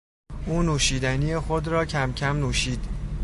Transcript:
او نوشیدنی خود را کمکم نوشید.